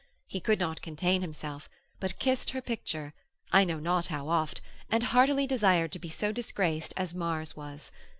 He could not contain himself, but kissed her picture, I know not how oft, and heartily desired to be so disgraced as Mars was.